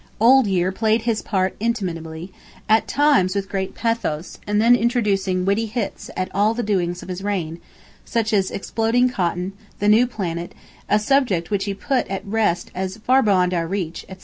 Old Year played his part inimitably, at times with great pathos, and then introducing witty hits at all the doings of his reign, such as exploding cotton, the new planet, a subject which he put at rest as "far beyond our reach," etc.